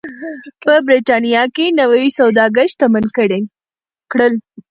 په برېټانیا کې نوي سوداګر شتمن کړل.